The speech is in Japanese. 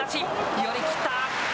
寄り切った。